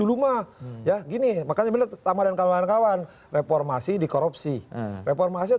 rumah ya gini makanya bener sama dengan kawan kawan reformasi dikorupsi reformasi